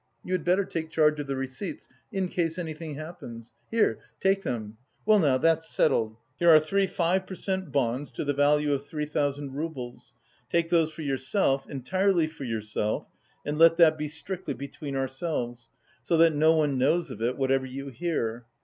You had better take charge of the receipts, in case anything happens. Here, take them! Well now, that's settled. Here are three 5 per cent bonds to the value of three thousand roubles. Take those for yourself, entirely for yourself, and let that be strictly between ourselves, so that no one knows of it, whatever you hear.